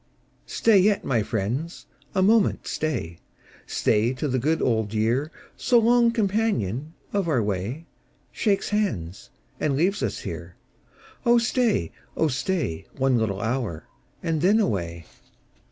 Stat yet, my friends, a moment stay — Stay till the good old year, So long companion of our way, Shakes hands, and leaves ns here. Oh stay, oh stay. One little hour, and then away.